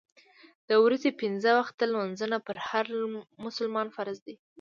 د ورځې پنځه وخته لمونځونه پر هر مسلمان فرض دي.